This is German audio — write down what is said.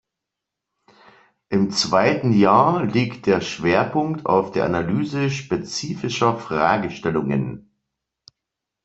Im zweiten Jahr liegt der Schwerpunkt auf der Analyse spezifischer Fragestellungen.